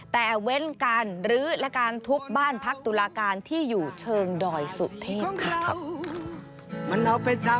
แต่เว้นการรื้อและการทุบบ้านพักตุลาการที่อยู่เชิงดอยสุเทพ